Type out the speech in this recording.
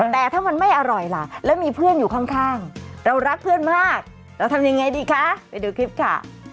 แต่ถ้ามันไม่อร่อยล่ะแล้วมีเพื่อนอยู่ข้างเรารักเพื่อนมากเราทำยังไงดีคะไปดูคลิปค่ะ